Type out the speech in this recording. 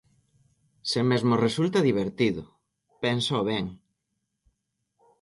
Se mesmo resulta divertido, pénsao ben...